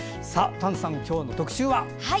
丹さん、今日の特集は？